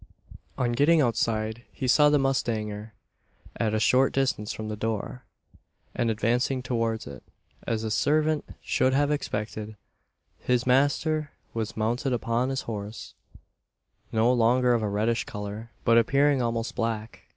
On getting outside, he saw the mustanger at a short distance from the door, and advancing towards it. As the servant should have expected, his master was mounted upon his horse no longer of a reddish colour, but appearing almost black.